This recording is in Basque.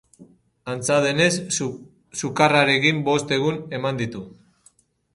Antza denez, sukarrarekin bost egun eman ditu.